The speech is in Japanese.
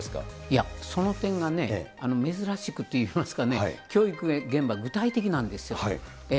その点がね、珍しくてといいますかね、教育現場、具体的なんですよ。